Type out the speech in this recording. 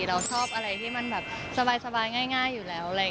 เราชอบอะไรที่มันแบบสบายง่ายอยู่แล้ว